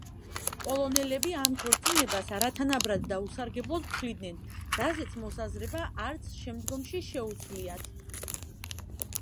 პოლონელები ამ ქორწინებას არათანაბრად და უსარგებლოდ თვლიდნენ, რაზეც მოსაზრება არც შემდგომში შეუცვლიათ.